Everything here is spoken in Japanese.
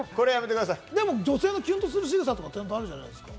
でも女性のキュンとする仕草とかあるじゃないですか？